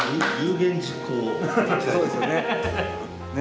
そうですよね。